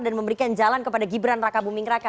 dan memberikan jalan kepada gibran raka buming raka